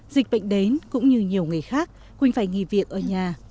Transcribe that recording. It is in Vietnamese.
dịch bệnh đến cũng như nhiều người khác quỳnh phải nghỉ việc ở nhà